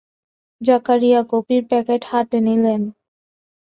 জাকারিয়া কফির প্যাকেট হাতে নিলেন।